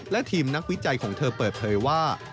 และทีมนักวิจัยของเธอเปิดเผยว่า